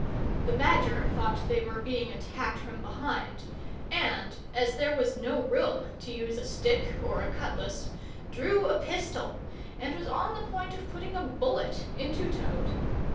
The Badger thought they were being attacked from behind, and, as there was no room to use a stick or a cutlass, drew a pistol, and was on the point of putting a bullet into Toad.